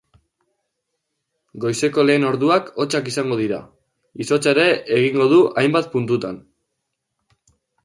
Goizeko lehen orduak hotzak izango dira, izotza ere egingo du hainbat puntutan.